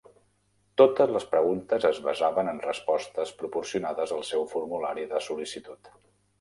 Totes les preguntes es basaven en respostes proporcionades al seu formulari de sol·licitud.